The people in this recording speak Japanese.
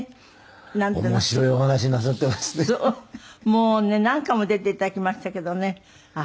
もうね何回も出て頂きましたけどねああ